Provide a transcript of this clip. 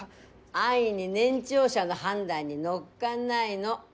安易に年長者の判断に乗っかんないの。